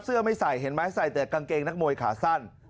ไม่ใส่เห็นไหมใส่แต่กางเกงนักมวยขาสั้น